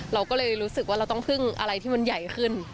เราก็เลยรู้สึกว่าเราต้องพึ่งอะไรที่มันใหญ่ขึ้น